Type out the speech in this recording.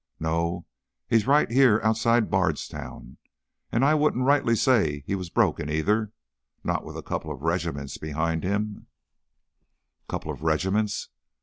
No, he's right here outside Bardstown. And I wouldn't rightly say he was broken either, not with a couple of regiments behind him " "Couple of regiments!"